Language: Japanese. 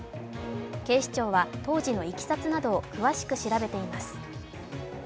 警視庁は当時のいきさつなどを詳しく調べています。